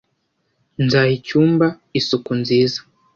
Nzaha icyumba isuku nziza